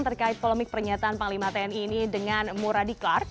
terkait polemik pernyataan panglima tni ini dengan muradi clark